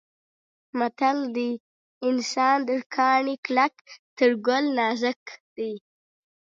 متل دی: انسان تر کاڼي کلک تر ګل نازک دی.